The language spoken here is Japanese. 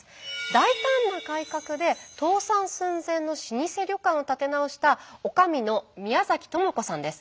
大胆な改革で倒産寸前の老舗旅館を立て直したおかみの宮知子さんです。